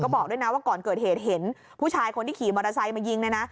บอกด้วยนะว่าก่อนเกิดเหตุเห็นผู้ชายคนที่ขี่มอเตอร์ไซค์มายิงเนี่ยนะ